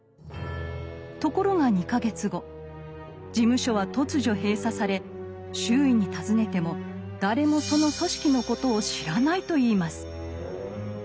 ところが２か月後事務所は突如閉鎖され周囲に尋ねても誰もその組織のことを知らないといいます。